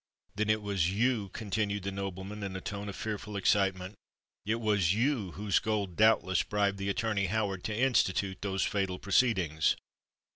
Then it was you," continued the nobleman, in a tone of fearful excitement,—"it was you whose gold doubtless bribed the attorney Howard to institute those fatal proceedings!"